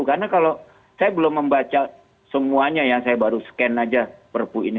karena kalau saya belum membaca semuanya ya saya baru scan aja perpu ini